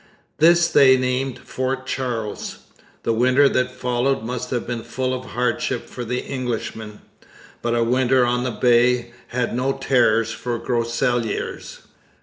This they named Fort Charles. The winter that followed must have been full of hardship for the Englishmen, but a winter on the Bay had no terrors for Groseilliers.